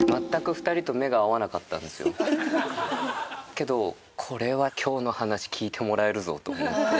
けどこれは今日の話聞いてもらえるぞと思って。